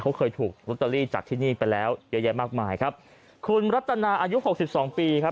เขาเคยถูกลอตเตอรี่จากที่นี่ไปแล้วเยอะแยะมากมายครับคุณรัตนาอายุหกสิบสองปีครับ